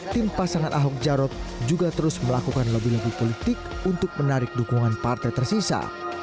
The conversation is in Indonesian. tim pasangan ahok jarot juga terus melakukan lobby lobby politik untuk menarik dukungan partai tersisa